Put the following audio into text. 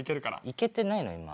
いけてないの今。